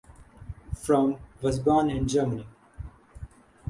Fromme was born in Germany.